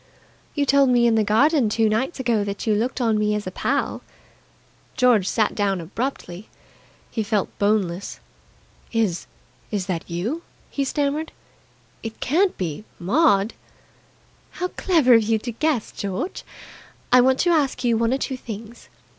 "You told me in the garden two nights ago that you looked on me as a pal." George sat down abruptly. He felt boneless. "Is is that you?" he stammered. "It can't be Maud!" "How clever of you to guess. George, I want to ask you one or two things.